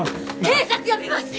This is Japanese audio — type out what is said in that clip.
警察呼びます！